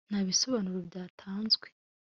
nta bisobanuro byatanzwe